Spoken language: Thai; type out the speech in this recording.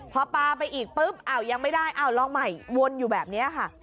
พอปลาไปอีกปุ๊บอ้าวยังไม่ได้อ้าวลองใหม่วนอยู่แบบนี้ค่ะ